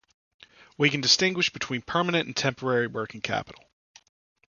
We can distinguish between permanent and temporary working capital.